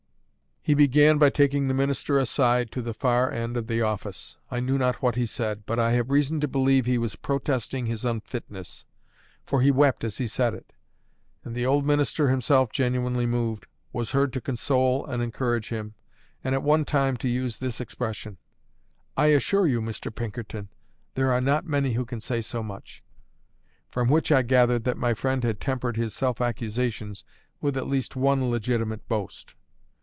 He began by taking the minister aside to the far end of the office. I knew not what he said, but I have reason to believe he was protesting his unfitness; for he wept as he said it: and the old minister, himself genuinely moved, was heard to console and encourage him, and at one time to use this expression: "I assure you, Mr. Pinkerton, there are not many who can say so much" from which I gathered that my friend had tempered his self accusations with at least one legitimate boast.